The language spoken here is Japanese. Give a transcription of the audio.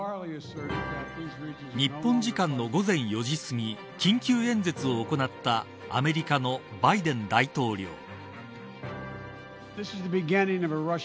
日本時間の午前４時すぎ緊急演説を行ったアメリカのバイデン大統領。